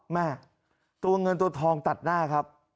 แม่ตัวเงินตัวทองตัดหน้าครับ